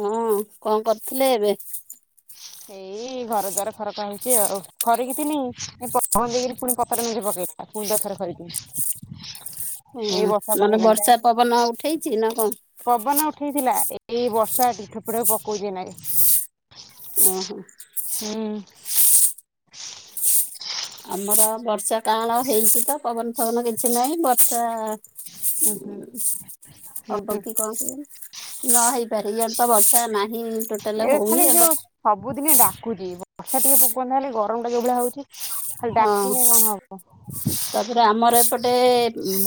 ହଁ କଣ କରୁଥିଲେ ଏବେ? ଏଇ ଘର ଦୂଆର ଖରକା ହେଇଛି ଆଉ ଖରିକି ନି [unintelligible] ଏଇ ବର୍ଷା ପକେଇଲାଣି ଓହୋ ମାନେ ପା ବର୍ଷା ପବନ ଉଠେଇଛି ନା କଣ? ପବନ ଉଠେଇଥିଲା ଏଇ ବର୍ଷା ଟିକ ଠୋପେ ଠୋପେ ପକଉଛି ନଇ ନା କେ। ଓହୋ। ହୁଁ। ଆମର ବର୍ଷା କାଳ ହେଇଛି ତ ପବନ ଫବନ କିଛି ନାହିଁ ବର୍ଷା ହୁଁ ହୁଁ ହୁମ ହବ କି କଣ କେଜାଣି, ନ ହେଇପାରିବି ଇଆଡେ ତ ବର୍ଷା ନାହିଁ ଟୋଟାଲ ଏ ହଉନି ଖାଲି ଆଉ। ଯୋଉ ସବୁଦିନେ ଡାକୁଛି, ବର୍ଷା ଟିକେ ପକାନ୍ତା ହେଲେ ଗରମ ଟା ଯୋଉଭଳିଆ ହଉଛି। ଖାଲି ହଁ ଡାକିଲେ କଣ ହବ? ତାପରେ ଆମର ଏପଟେ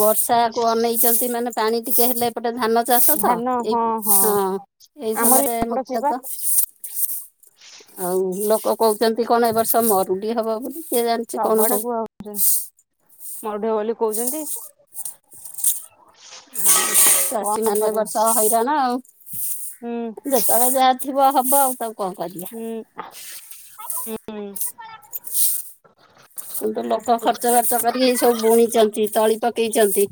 ବର୍ଷାକୁ ଅନେଇଛନ୍ତି, ମାନେ ପାଣି ଟିକେ ହେଲେ ଏପଟେ ଗୋଟ ଧାନ ଚାଷ ତ ଧାନ ଏଇ ହଁ ହଁ ଏଇ ଆମର ସମୟରେ ବି ଏପଟ ସେଇଆ ବା ମୁଖ୍ୟତଃ ଆଉ ଲୋକ କହୁଛନ୍ତି କଣ ଏ ବର୍ଷ ମରୁଡି ହବ ବୋଲି କିଏ ଜାଣିଛି କଣ ସବୁଆଡେ ହବ? କୁହା ହଉଛି ମରୁଡି ବୋଲି କହୁଛନ୍ତି ଚାଷୀ କଣ ମାନେ କରିବୁ ବର୍ଷା ହଇରାଣ ଆଉ ହୁଁ ଯେତେବେଳେ ଯାହା ଯିବ ହବ ଆଉ ସବୁ କଣ କରିବ। ହୁଁ। କିନ୍ତୁ ଲୋକ ହୁଁ ଖର୍ଚ୍ଚବାର୍ଚ୍ଚ କରିକି ଏ ସବୁ ବୁଣିଛନ୍ତି, ତଳି ପକେଇଛନ୍ତି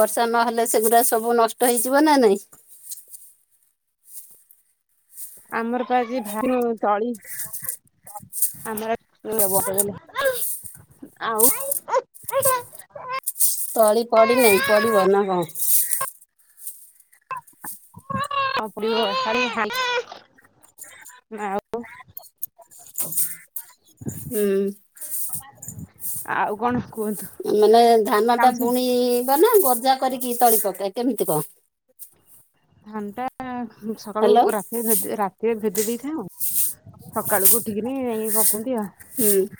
ବର୍ଷା ନହେଲେ ସେଗୁଡା ସବୁ ନଷ୍ଟ ହେଇଯିବ ନା ନାଇଁ। ଆମର ଆଜି ଭରିବ ତଳି। ଆମର ଆଉ। ତଳି ପଢିନାହିଁ, ପଢିବ ନା କଣ? ପଡିବ। ଆଉ। ହୁଁ। ଆଉ କଣ କୁହନ୍ତୁ। ମାନେ ଧାନ ଟା ବୁଣିବା ନା ଗଜା କରିକି ତଳି ପକାଏ କେମିତି କଣ? ଧାନ ଟା ସକାଳୁ ହ୍ୟାଲୋ ରାତିରେ ରାତିରେ ଭେଦି ଦେଇଥାଉ ସକାଳୁକୁ ଉଠିକିନି ଏ ପକନ୍ତି ହୁଁ ଆଉ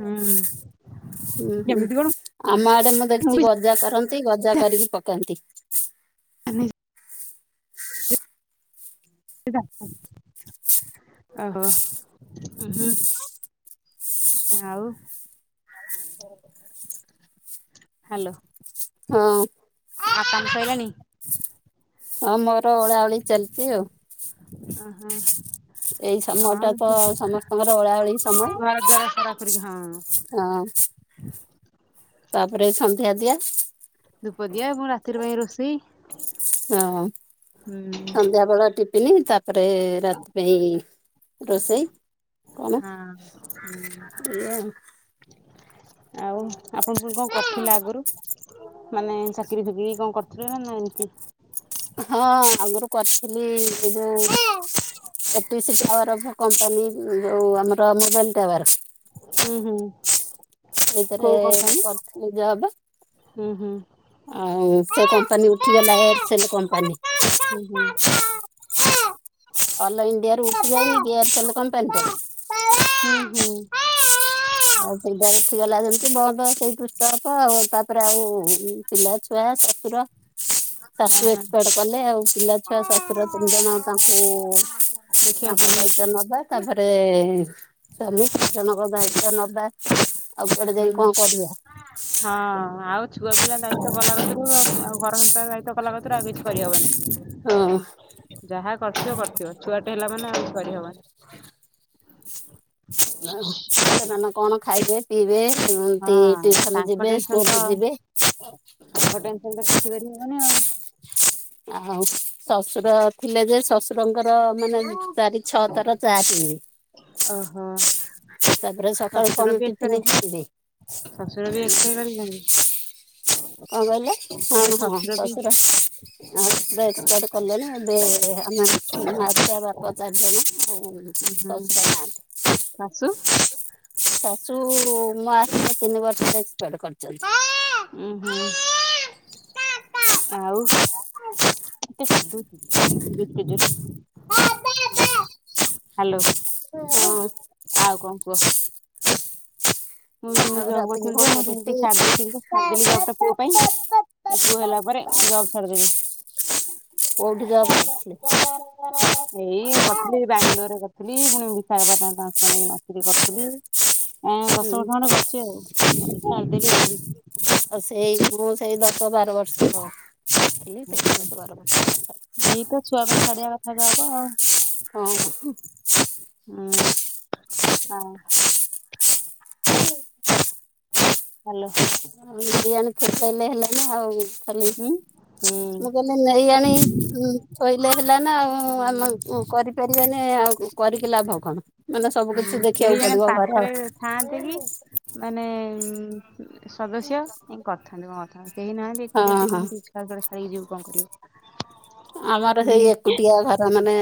ହୁଁ। ହୁଁ ହୁଁ କେମିତି କଣ ଆମ ଆଡେ ମୁଁ ଦେଖିଛି ଗଜା କର ତ ଗଜା କରିକି ପକାନ୍ତି। [unintelligible] ଓହୋ। ଆଉ ହାଲୋ। ହଁ ଆଉ କାମ ସଇଲାଣି? ହଁ ମୋର ଓଳାଓଳି ଚାଲିଛି ଆଉ। ଆଁ ହାଁ। ଏଇ ସମୟଟା ତ ସମସ୍ତଙ୍କର ଓଳାଓଳି ସମୟ। ଘର ଦ୍ୱାର ସରା କରିକି ହଁ ହଁ, ତାପରେ ସନ୍ଧ୍ୟା ଦିଆ। ଧୂପ ଦିଆ ପୁଣି ରାତିର ପାଇଁ ରୋଷେଇ। ହଁ, ହୁଁ ସନ୍ଧ୍ୟାବେଳ ଟିଫିନି ତାପରେ ରା ତି ପାଇଁ ରୋଷେଇ। କଣ, ହଁ ହୁଁ ଏଇଆ ଆଉ। ଆଉ ଆପଣ ପୁଣି କଣ କରିଥିଲେ ଆଗରୁ? ମାନେ ଚାକିରିୀଫାକିରି କଣ କରୁଥିଲେ ନା ନା ଏମିତି? ହଁ ଆଗରୁ କରିଥିଲି ଏ ଯୋଉ A T C tower company ଯୋଉ ଆମର ମୋବାଇଲ ଟାୱାର। ହୁଁ ହୁଁ। ସେଇଥିରେ କୋଉ କମ୍ପାନୀ? କରିଥିଲି ଜବ। ହୁଁ ହୁଁ। ଆଉ ସେ କମ୍ପାନୀ ଉଠିଗଲା ଏୟାରସେଲ୍ କମ୍ପାନୀ। ହୁଁ ହୁଁ। ଅଲ୍ ଇଣ୍ଡିଆରୁ ଉଠି ଯାଇନି କି ଏୟାରସେଲ୍ କମ୍ପାନୀଟା। ହୁଁ ହୁଁ। ଆଉ ସେଇଟା ଉଠିଗଲା ସେମତି ବନ୍ଦ ସେଇଠୁ ଷ୍ଟପ ଆଉ ତାପରେ ଆଉ ପିଲା ଛୁଆ ଶଶୁର। ଆ ଶାଶୁ ହା ଏକ୍ସପାୟାର୍ଡ କଲେ ଆଉ ପିଲା ଛୁଆ ଶ୍ୱଶୁର ତିନି ଜଣ ତାଙ୍କୁ ଦେଖିବାକୁ ତାଙ୍କ ପଡିବ ଦାୟିତ୍ଵ ନବା ତାପରେ ସ୍ୱାମୀ ଗୁରୁଜନଙ୍କ ଦାୟିତ୍ଵ ନ ବା, ଆଉ କୁଆଡେ ଯାଇ ହୁଁ। କଣ କରିବ? ହଁ ଆଉ ଛୁଆ ପିଲା ଦାୟିତ୍ୱ କଲା କତୁରୁ ଆଉ ଆଉ ଘର ସଂସାର ଦାୟିତ୍ବ କଲା କତୁରୁ ଆଉ କିଛି କରିହବନି। ହଁ। ଖର୍ଚ୍ଚ କରିଥିବ ଛୁଆଟେ ହେଲା ମାନେ ଆଉ କିଛି କରି ହବନି। ସେମାନେ କଣ ଖାଇବେ ପିଇବେ ଯେମିତି ହଁ ଟ୍ୟୁସନ ତାଙ୍କ ଯିବେ ଟେନସନ ତ ସ୍କୁଲ ଯିବେ। ତାଙ୍କ ଟେନସନରେ କିଛି କରିହବନି ଆଉ ଆଉ ଶଶୁର ଥିଲେ ଯେ ଶ୍ୱଶୁରଙ୍କର [inaudible] ମାନେ ଚାରି ଛଅଥର ଚାଆ ପିଇବେ ଓହୋଃ। ତାପରେ ସକାଳୁ କଣ ଶଶୁର ବି ଟିଫିନ ଏକ୍ସପେର୍ ଖାଇବେ ଶଶୁର ବି ଏକ୍ସପାୟାର କରିିଛନ୍ତି। କଣ କହିଲେ ହଁ ହଁ ବି ଶଶୁର ଆଉ ଏକ୍ସପାୟାର୍ଡ କଲେଣି ଏବେ ଆମେ ମାଆ ଛୁଆ ବାପ ଚାରିଜଣ ଆଉ ଉଁ ହୁଁ ଶଶୁର ନାହାଁନ୍ତି। ଶାଶୁ? ଶାଶୁଉ-ଉ-ଉ ମୋ ଆସିଲା ତିନି ବର୍ଷ ପରେ ଏକ୍ସପାୟାର୍ଡ କରିଛନ୍ତି। ଉଁ ହୁଁ। ଆଉ ଏତେ ଚିଲଉଚୁ ହ୍ୟାଲୋ। ହଁ ଆଉ କଣ କୁହ? ମୁଁ ବି ସେମିତି ଆଉ ଜବ୍ ରାତିକି କରୁଥିଲି ଯେ କଣ ମୁଁ ରୁଟି ସେମିତି ଛାଡି ଦେଇଥିଲି ଆକ୍ଚୁଆଲି ଜବଟା ପୁଅ ପାଇଁ ଏଇ ପୁଅ ହେଲା ପରେ [inaudible] ଜବ୍ ଛାଡି ଦେଲି। କୋଉଠି ଜବ୍ କରିଥିଲେ? ଏଇ କରିଥିଲି ବାଙ୍ଗଲୋରରେ କରିଥିଲି ପୁଣି ବିଶାଖାପାଟଣା ଟ୍ରାନ୍ସଫର ନେଇକିନା ଆସିକି କରିଥିଲି। ଏଁ ହୁଁ ଦଶ ବର୍ଷ ଖଣ୍ଡେ କରିଛି ଆଉ। ଆଉ ସେଇ ମୁୁଁ ସେଇ ଦଶ ବାର ବର୍ [inaudible] କରିଥିଲି ହୁଁ ସେଇ ହୁଁ ଦଶ ବାର ବର୍ଷ ଏଇ ତ ଛୁଆ ପାଇଁ ଛାଡିବା କଥା ଜବ୍ ଆଉ। [inaudible] ହଁ ହୁଁ। ଉଁ ହଁ ହାଲୋ। ବିରିୟାନୀ [inaudible] ହେଲେ ନା ଆଉ ଖାଲି ହୁଁ ହୁଁ ମୁଁ କହିଲି ନେଇ ଆଣି ଥୋଇଲେ ହେଲା ନା ଆଉ ଆମେ ହୁଁ। କରିପାରିବାନି ଆଉ କରିକି ଲାଭ କଣ? ମାନେ ସବୁ ହୁଁ କିଛି କେହି ଦେଖିବାକୁ ଜଣେ ପଡିବ ଘରେ ପାଖରେ ଆଉ ଥାଆନ୍ତେ କି? ମାନେ ଉଁ ସଦସ୍ୟ କରିଥାନ୍ତି ମୋ କଥା କେହି ନାହାନ୍ତି ଏକୁଟିଆ ହଁ ତୁ ହଁ କିମିତି ଛୁଆକୁ ଏଡେ ଛାଡିକି ଯିବୁ କଣ କରିବୁ? ଆମର ସେଇ ହୁଁ ଏକୁଟିଆ ଘର ମାନେ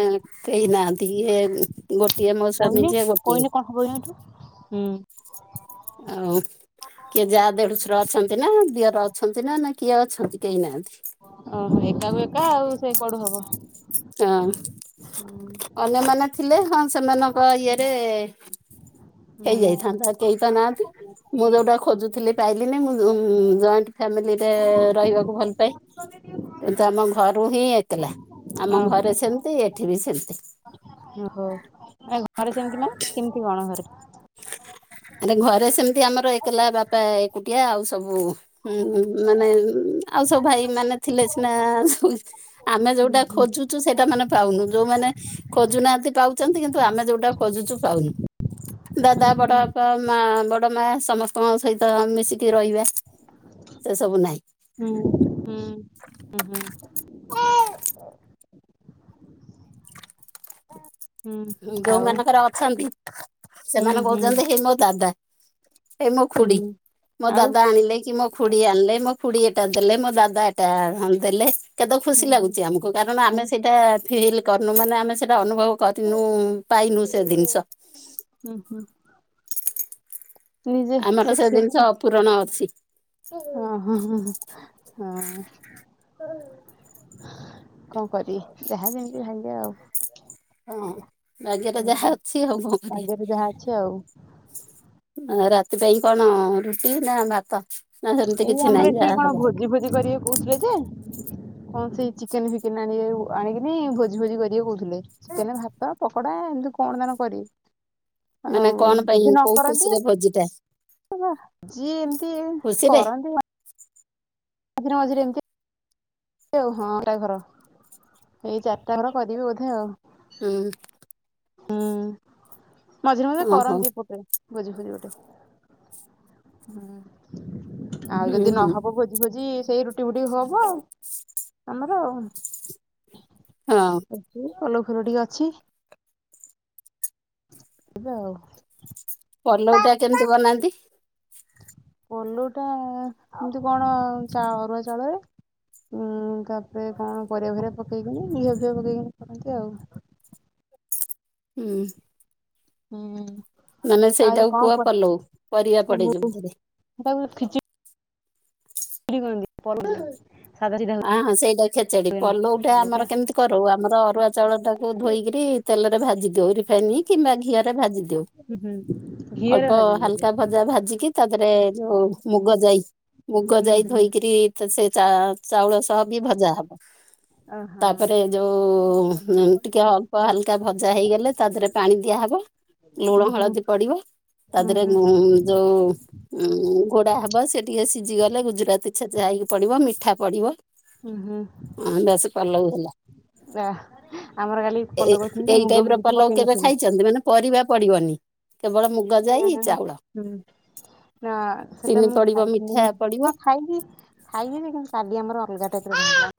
କେହି ନାହାନ୍ତି ଇଏମ୍ ଗୋଟିଏ ମୋ ସ୍ୱାମୀ କହିନି ଯିଏ ଗୋଟିଏ। କହିନି କଣ ହବ ଏଇନା ଏଠୁ? ହୁଁ। ଆଉ କିଏ ଯାଆ ଦେଢୁଶୁର ଅଛନ୍ତି ନା ଦିଅର ଅଛନ୍ତି ନା ନା କିଏ ଅଛନ୍ତି କେହି ନାହାନ୍ତି? ଓହୋ ଏକାକୁ ଏକା ଆଉ ସେ କଆଡୁ ହବ? ହଁ ଅନ୍ୟମାନେ ଥିଲେ ହଁ ସେମାନ ଙ୍କ ଇଏରେ ହୁଁ ହେଇଯାଇଥାନ୍ତା କେହି ତ ନାହାନ୍ତି ମୁଁ ଯୋଉଟା ଖୋଜୁଥିଲି ପାଇଲିନି ମୁଁ ଉଁ ଉଁ ଜଏଣ୍ଟ ଫ୍ୟାମିଲିରେ ରହିବାକୁ ଭଲ ପାଏ। କିନ୍ତୁ ଆମ ଘରୁ ହିଁ ଏକଲା ଓ ଆମ ଘରେ ସେମତି ଏଠି ବି ସେମିତି। ଓହୋ ଏ ଘରେ ସେମିତି ମାନେ କେମିତି କଣ ଘରେ ମାନେ ଘରେ ସେମିତି ଆମର ଏକେଲା ବାପା ଏକୁଟିଆ ଆଉ ସବୁ ହୁଁ ମାନେ ଆଉ ସବୁ ଭାଇ ମାନେ ଥିଲେ ସିନା ଆମେ ହୁଁ ଯୋଉଟା ହୁଁ। ଖୋଜୁଚୁ ସେଇଟା ମାନେ ପାଉନୁ ଯୋଉମାନେ ଖୋଜୁନାହାନ୍ତି ପାଉଚନ୍ତି କିନ୍ତୁ ଆମେ ଯୋଉଟା ଖୋଜୁଚୁ ପାଉନୁ। ହୁଁ ଦାଦା, ହୁଁ ବଡ ବାପା, ମା, ବଡ ମା ସମସ୍ତଙ୍କ ସହିତ ମିଶିକି ରହିବା। ସେ ସବୁ ନାହିଁ ହୁଁ ହୁଁ ଉ ହୁଁ। ହୁଁ ଆଉ ଯୋଉମାନଙ୍କର ଅଛନ୍ତି ହୁଁ ସେମାନେ ହୁଁ କହୁଚନ୍ତି ହେଇ ମୋ ଦାଦା। ଏଇ ମୋ ଖୁଡି ହୁଁ ମୋ ଆଉ ଦାଦା ଆଣିଲେ କି ମୋ ଖୁଡି ଆଣିଲେ ମୋ ଖୁଡି ଏଟା ଦେଲେ ମୋ ଦାଦା ଏଟା ଆ ଆଣି ଦେଲେ। କେତେ ହୁଁ ଖୁସି ହୁଁ। ଲାଗୁଚି ଆମକୁ। କାରଣ ଆଉ ଆମେ ସେଇଟା ଫିଲ୍ କରନୁ ମାନେ ଆମେ ସେଇଟା ଅନୁଭବ ତ୍ ନୁ ପାଇନୁ ସେ ଜିନିଷ। ହୁଁ ହୁଁ ନିଜେ ଆମର ସେ ଜିନିଷ ପୂରଣ ଅଛି। ହ ହଁ ହ ହଁ ହଁ। କଣ କରିବ୍ ଯାହା ଯେମିତି ଭାଗ୍ୟ ଆଉ। ହଁ ଭାଗ୍ୟରେ ଯାହା ଅଛି ଆଉ କଣ ଭାଗ୍ୟରେ ଯାହା ଅଛି ଆଉ କରିବା। ରାତି ପାଇଁ କଣ ରୁଟି ନା ଭାତ? ନା ସେମିତି ଏଇ କିଛି ଆମର ନାହିଁ ଏଠି ଯାହା କଣ ହବ ଭୋଜି ଫୋଜି କରିବେ କହୁଥିଲେ ଯେ। କଣ ସେଇ ଚିକେନ୍ ଫିକେନ୍ ଆଣିବେ ଆଣିବେନି ଭୋଜି ଫୋଜି କରେ କହୁଥିଲେ ଚିକେନ, ଭାତ, ପକୋଡା। ହଁ ଏମିତି କଣ ଦାନ କରିବି? ମାନେ ଆଉ କଣ ଯଦି ପାଇଁ ନ କୋଉ କରନ୍ତି ଖୁସିରେ ଭୋଜିଟା ଯିଏ ଏମତି ଖୁସିରେ କରନ୍ତି। ମଝିରେ ମଝିରେ ଏମିତି ଆଉ ହଁ ଏଟା ଘର ଏଇ ଚାରିଟା ଘର କରିବି ବୋଧେ ଆଉ। ହୁଁ। ହୁଁ ମଝିରେ ମଝିରେ ଓହୋ କରନ୍ତି ପୋଟରେ। ଭୋଜି ଫୋଜି ଗୋଟେ ହୁଁ। ଆଉ ହୁଁ ଯଦି ହୁଁ ନହବ ଭୋଜି ଫୋଜି ସେଇ ରୁଟି ଫୁଟି ହବ ଆଉ ଆମର ଆଉ। ହଁ ଆ ଉ ଅଲଗ୍ ଘରଟିିଏ ଅଛି। ଏବେ ଆଉ। ପଲଉ ଟା କେମିତି ବନାନ୍ତି? ପଲଉଟା ଏମିତି କଣ ଚା ଅରୁଆ ଚାଉଳରେ। ଉଁ ତାପରେ କଣ ପରିବା ଫରିବା ପକେଇକିନି ଘିଅ ଫିଅ ପକେଇକିନି କରନ୍ତି ଆଉ। ହୁଁ। ହୁଁ। ମାନେ ଆଜି ସେଇଟାକୁ କୁହ କଣ [inaudible] ପଲଉ ପରିବା ପଡେ ଯୋଉଥିରେ [inaudible] ପଲ ଅହଁ ସେଇଟା ଖେଚେଡି। ପଲଉଟା ଆମର କେମିତି କରୁ? ଆମର ଅରୁଆ ଚାଉଳ ଟାକୁ ଧୋଇକିରି, ତେଲ ଦଉ ରିଫାଇନି କିମ୍ବା ଘିଅରେ ଭାଜି ଦିଉ। ଘିଅରେ ଅଳ୍ପ ଭାଜନ୍ତି ହେଲେ ହାଲକା ଭଜା ଭାଜିକି, ତା ଧେରେ ଯଉ, ମୁଗ ଯାଇ, ମୁଗ ହୁଁ ଯାଇ, ହୁଁ ଧୋଇକିରି ସେ ଚା ଚାଉଳ ସହ ବି ଭଜା ହବ। ଓହୋ ତାପରେ ଯୋଉ-ଉ-ଉ-ଉ ଟିକେ ଅଳ୍ପ ହାଲକା ଭଜା ହେଇଗଲେ ତା ଦେହରେ ପାଣି ଦିଆହବ। ଉଁ ନୁଳଁ ହୁଁ ହଳଦୀ ପଡିବ। ତା ଦେହରେ ହୁଁ-ହୁଁ- ହୁଁ ଯୋଉଁ-ଉଁ-ଉଁ ଘୋଡା ହବ। ସେ ଟିକେ ସି ଜି ଗଲେ ଗୁଜୁରାତି ଛେଚା ହେଇକି ପଡିବ ମିଠା ପଡିବ। ଉଁ ହୁଁ ବାସ୍ ପଲଉ ହେଲା। ଆ ଆମର କାଲି ପଲଉ କରିଥିଲୁ ଯେ ଏ-ଏଇ ମୁଗ ଟାଇପ୍ ଫୁଗ ର କିଛି ପଲଉ ପକେଇ କେବେ ନଥିଲୁ। ଖାଇଛନ୍ତି? ମାନେ ପରିବା ପଡିବନି। କେବଳ ମୁଗ ଯାଇ, ଚାଉଳ। ନାଁ, ସେଟା ଚିନି ମୁଁ ପଡିବ ମିଠା ଖାଇଥିଲିିନା! ପଡିବ ହଁ ଖାଇବି! ଖାଇବିଯେ କିନ୍ କାଲି ଆମର ଅଲଗା ଟାଇପ୍ ର ବାହାରଲା।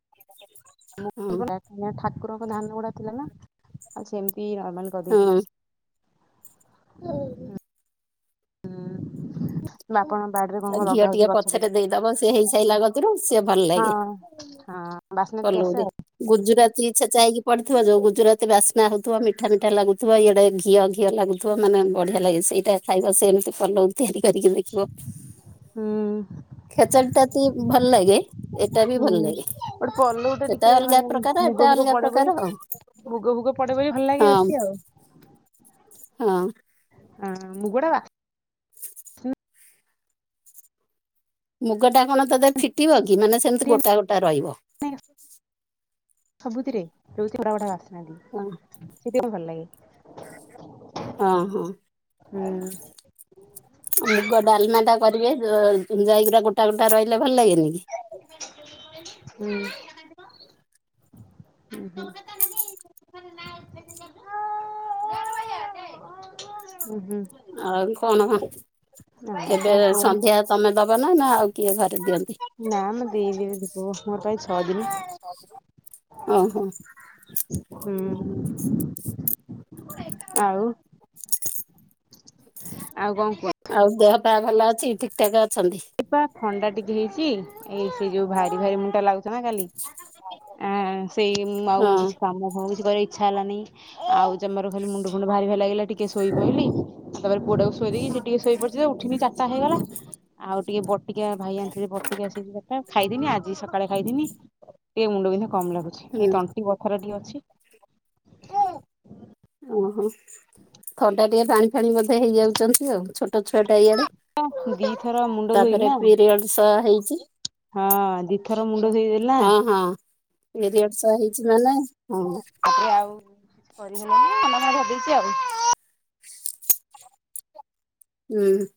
[inaudible] ହଁ ଠାକୁରଙ୍କ ଧାନ ଗୁଡା ଥିଲା ନା ଆଉ ସେମିତି ନର୍ ମାଲ ହଁ କରିଦେଇଥିଲି। ଉଁ ବାପାଙ୍କ ଆଉ ଘିଅ ଟିକେ ପଛରେ ଦେଇଦବ। ସେ ହେଇ ସାଇଲା କତିରୁ, ସିଏ ଭଲ ହଁ ଲାଗେ। ହଁ ବାସ୍ନା ଟିକେ ଆସେ ପଲଉରେ, ଆଉ। ଗୁଜୁରାତି ଛେଚା ହେଇକି ପଡିିଥିବ ଯୋଉ, ଗୁଜୁରାତି ବାସ୍ ନା ହଉଥିବା ମିଠା ମିଠା ଲାଗୁଥିବ, ଇଆଡେ ଘିଅ ଘିଅ ଲାଗୁଥିବ, ମାନେ ବଢିଆ ଲାଗେ। ସେଇଟା ଖାଇବ ସେମତି ପଲଉ ତିଆରି କରିକି ଦେଖିବ। ହୁଁ। ଖେଚେଡି ଟା ତି ଭଲ ଲାଗେ ଏଟା ବି ହୁଁ, ଭଲ ଲାଗେ ଗୋଟେ ପଲଉ ସେଟା ଟିକେ ଅଲଗା ମାନେ ପ୍ରକାର ଏଟା ମୁଗ ମୁଗ ଅଲଗା ପଡେ ପ୍ରକାର ବୋଲି, ଆଉ ମୁଗ ଫୁଗ ପଡେ ବୋଲି ଭଲ ଲାଗେ ହଁ ବେଶୀ ଆଉ। ହଁ। ହଁ, ମୁଗ ଟା ବାସ୍ ମୁଗ ଟା କଣ, ତାଧେ ଫିଟିବ କି ମାନେ ସେମିତି ଦିଏ ନା ଗୋଟା ଗୋଟା ରହିବ। ସବୁଥିରେ ରହୁଛି ବଢ଼ା ବଢ଼ା ବାସ୍ନା ହଁ ଦିଏ। ସେ ଟିକେ ଭଲ ଲାଗେ। ହଁ ହଁ। ହୁଁ। ମୁଗ ଡାଲମା ଟା କରିବେ। ଯ ଯ ଜାଇକିରା ଗୋଟା ଗୋଟା ରହିଲେ, ଭଲ ଲାଗେନି କି? ଉଁ ହୁଁ। ହୁଁ ଆଉ କଣ? ଆଉ ଏବେ କଣ କୁହନି? ସନ୍ଧ୍ୟା ତମେ ଦବ ନା ନା ଆଉ? କିଏ ଘରେ ଦିଅନ୍ତି ନା, ମୁଁ ଦେଇଦେବି ଧୂପ ମୋର ପା ଆଜି ଛଅ ଦିନି। ଓହୋ! ହୁଁ, ଆଉ ଆଉ କଣ କୁହ? ଆଉ ଦେହ ପା ଭଲ ଅଛି, ଠିକ୍ ଠାକ୍ ଅଛନ୍ତି? ଏଇ ପା ଥଣ୍ଡା ଟିକେ ହେଇଛି, ଏଇ ସେ ଯଉ ଭାରି ଭାରି ମୁଣ୍ଡଟା ଲାଗୁଛି ନା କାଲି ଆ ସେଇ ମୁଁ ଆଉ ହଁ କିଛି କାମ ହଉ କରିଆ ଇଚ୍ଛା ହେଲାନି। ଆଉ ଜମାରୁ ଖାଲି ମୁଣ୍ଡ ଫୁଣ୍ଡ ଭାରି ଭାରି ଲାଗିଲା। ଟିକେ ଶୋଇ ପଇଲି। ତାପରେ ପୁଅଟାକୁ ଥୋଇ ଦେଇକି, ସେଇଟିକେ ଶୋଇପଡିଚି ତ ଉଠିନି, ଚାରଟା ହେଇଗଲା। ଆଉ ଟିକେ ବଟିକା, ଭାଇ ଆଣିଥିଲେ ବଟିକା ସେ ଯଉ ଡ଼ଟ ଖାଇଦେନି। ଆଜି ସକାଳେ ଖାଇଦେନି। ଟିକେ ମୁଣ୍ଡ ବିନ୍ଧା କମ୍ ଲାଗୁଛି। ଏଇ ହୁଁ ତଣ୍ଟି ବଥାଟା ଟିକେ ଅଛି। [inaudible] ଓହୋ! ଥଣ୍ଡା ଟିକେ ପାଣି ଫାଣି ବଧେ ହେଇଯାଉଚନ୍ତି ଆଉ। ଛୋଟ ଛୁଆ ଟା ଇଆଡେ ଦିଥର ମୁଣ୍ଡ ଧୋଇଲି ନା। ତାପରେ ପିରିୟଡସ୍ ହେଇଛି। ହଁ, ଦି ଥର ମୁଣ୍ଡ ଧୋଇ ହଁ ହଁ। ପିରିୟଡ଼ସ୍ ହେଇଛି ମାନେ ହଁ ତାପରେ ଆଉ କରିହେଲାନି। ମନେ, ମନେ ଭାବିଚି ଆଉ। ହୁଁ।